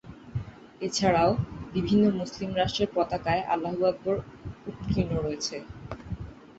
এছাড়াও বিভিন্ন মুসলিম রাষ্ট্রের পতাকায় আল্লাহু আকবর উৎকীর্ণ রয়েছে।